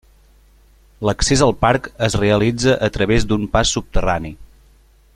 L'accés al parc es realitza a través d'un pas subterrani.